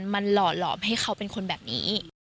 มันหล่อหลอมให้เขาเป็นคนแบบนี้